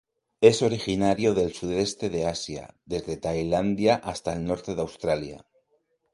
Es originario del sudeste de Asia, desde Tailandia hasta el norte de Australia.